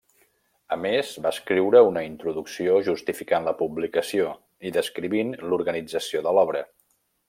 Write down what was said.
A més, va escriure una introducció justificant la publicació, i descrivint l'organització de l'obra.